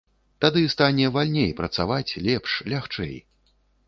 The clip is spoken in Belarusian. Тады стане вальней працаваць, лепш, лягчэй.